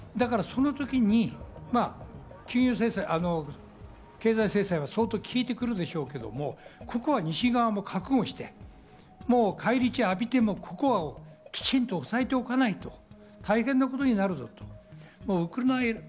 その時に経済制裁は相当効いてくるんでしょうけれども、ここは西側も覚悟して返り血を浴びてもここはきちんと抑えておかないと大変なことになると。